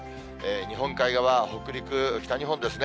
日本海側、北陸、北日本ですね。